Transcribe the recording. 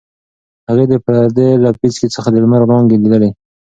هغې د پردې له پیڅکې څخه د لمر وړانګې لیدلې.